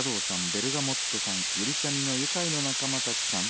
ベルガモットさんユリチャミの愉快な仲間たちさん